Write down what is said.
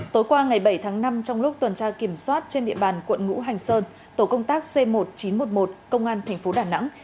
tối qua ngày bảy tháng năm trong lúc tuần tra kiểm soát trên địa bàn quận ngũ hành sơn tổ công tác c một nghìn chín trăm một mươi một công an thành phố đà nẵng